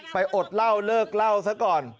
ไปอดเหล้าเลิกเหล้าซะก่อน